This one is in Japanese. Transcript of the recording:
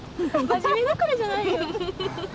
真面目だからじゃないよ。